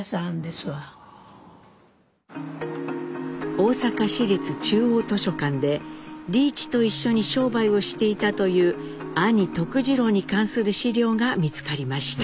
大阪市立中央図書館で利一と一緒に商売をしていたという兄徳治郎に関する資料が見つかりました。